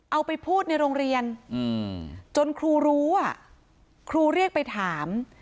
เอาไปพูดในโรงเรียนจนครูรู้ครูเรียกไปถาม